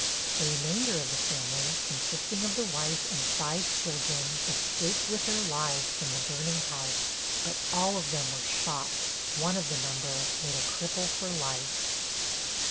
The remainder of the family, consisting of the wife and five children, escaped with their lives from the burning house, but all of them were shot, one of the number made a cripple for life.